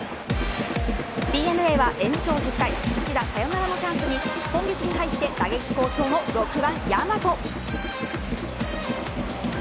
ＤｅＮＡは延長１０回一打サヨナラのチャンスに今月に入って打撃好調の６番、大和。